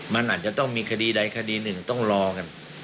มันอาจจะต้องมีคดีใดคดีหนึ่งต้องรอกัน